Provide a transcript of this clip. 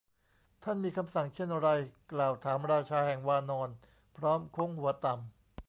ท่านมีคำสั่งเช่นไร ? กล่าวถามราชาแห่งวานร พร้อมโค้งหัวต่ำ